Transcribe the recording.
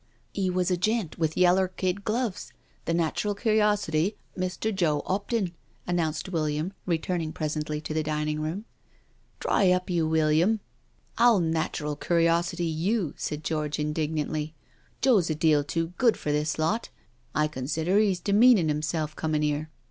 " He was a gent with yeller kid gloves — the natural curiosity, Mr. Joe 'Opton," announced William, re turning presently to the dining room. •• Dry up you, William — I'll * natural curiosity *• you," said George indignantly. " Joe's a deal too good for this lot — I consider he's demeanin' 'imself comin' here.